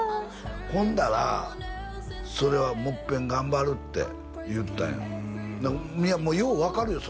ほんだら「それはもっぺん頑張る」って言ったんよよう分かるよ